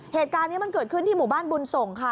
เหตุการณ์นี้มันเกิดขึ้นที่หมู่บ้านบุญส่งค่ะ